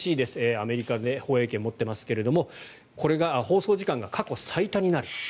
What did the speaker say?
アメリカが放映権を持っていますけどこれが放送時間が過去最多になる。